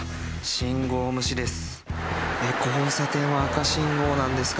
信号無視です。